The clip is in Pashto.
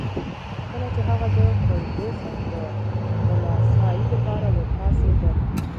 کله چي هغه د فرګوسن د دلاسايي لپاره ورپاڅېدل.